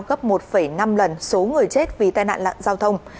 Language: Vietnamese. gấp một năm lần số người chết vì tai nạn giao thông